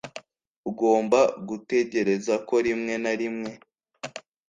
Ugomba gutegereza ko rimwe na rimwe.